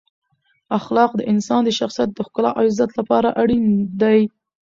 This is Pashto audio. اخلاق د انسان د شخصیت د ښکلا او عزت لپاره اړین دی.